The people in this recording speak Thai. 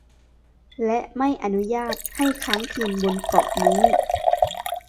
และไม่อนุญาตให้ค้างคืนบนเกาะนี้